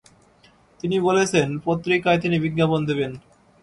তিনি বলেছেন, পত্রিকায় তিনি বিজ্ঞাপন দেবেন।